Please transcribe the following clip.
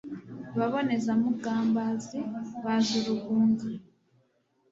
Baboneza Mugambazi baza Urugunga